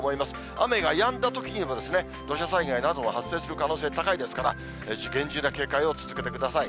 雨がやんだときにも土砂災害なども発生する可能性高いですから、厳重な警戒を続けてください。